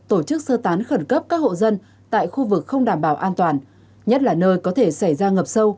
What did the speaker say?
tổ chức sơ tán khẩn cấp các hộ dân tại khu vực không đảm bảo an toàn nhất là nơi có thể xảy ra ngập sâu